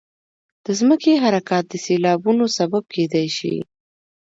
د ځمکې حرکات د سیلابونو سبب کېدای شي.